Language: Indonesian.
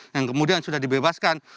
yang kemudian sudah dibebaskan